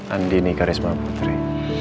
andini karisma putri